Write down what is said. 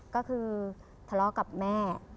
ก็คือทะเลาะกับแม่